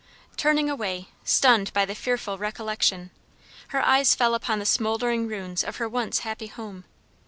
Turning away, stunned by the fearful recollection, her eyes fell upon the smouldering ruins of her once happy home.